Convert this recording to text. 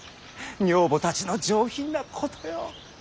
女房たちの上品なことよ。